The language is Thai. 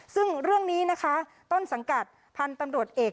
ซึ่งเรื่องนี้นะคะต้นสังกัดพันธุ์ตำรวจเอก